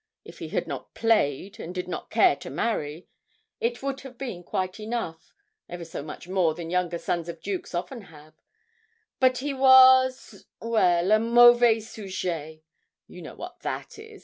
If he had not played, and did not care to marry, it would have been quite enough ever so much more than younger sons of dukes often have; but he was well, a mauvais sujet you know what that is.